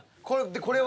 これは？